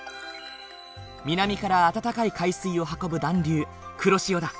南から温かい海水を運ぶ暖流黒潮だ。